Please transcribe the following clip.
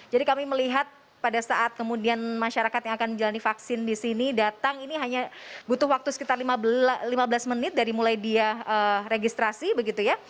kami melihat pada saat kemudian masyarakat yang akan menjalani vaksin di sini datang ini hanya butuh waktu sekitar lima belas menit dari mulai dia registrasi begitu ya